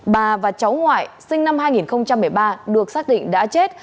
bà và cháu ngoại sinh năm hai nghìn một mươi ba được xác định đã chết